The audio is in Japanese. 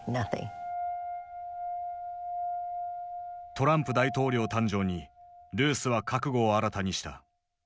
トランプ大統領誕生にルースは覚悟を新たにした。